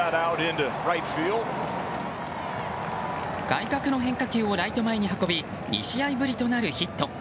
外角の変化球をライト前に運び２試合ぶりとなるヒット。